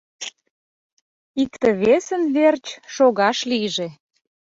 Икте-весын верч шогаш лийже.